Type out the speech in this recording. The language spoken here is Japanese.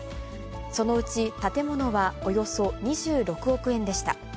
そのうち建物はおよそ２６億円でした。